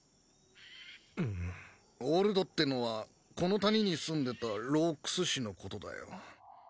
オルドってのはこの谷に住んでた老薬師のことだよ